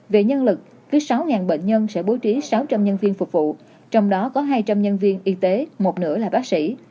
về nhân lực thứ sáu bệnh nhân sẽ bố trí sáu trăm linh nhân viên phục vụ trong đó có hai trăm linh nhân viên y tế một nửa là bác sĩ